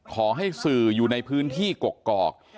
ขอให้สื่ออยู่ในพื้นที่กกอก